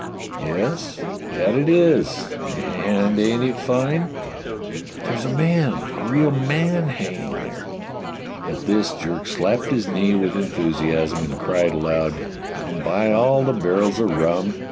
"Yes, that it is — and ain't it fine .f^" "But there's a man, a real man hanging there." At this Jerk slapped his knee with enthusiasm and 236 DOCTOR SYN cried aloud: "Now by all the barrels of rum!